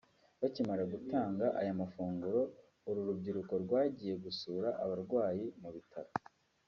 Bakimara gutanga aya mafunguro uru rubyiruko rwagiye gusura abarwayi mu bitaro